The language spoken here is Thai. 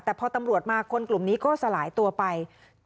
แต่พอตำรวจมาคนกลุ่มนี้ก็สลายตัวไป